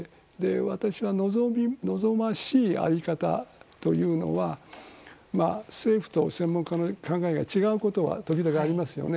私は望ましい在り方というのは政府と専門家の考えが違うことは時々ありますよね。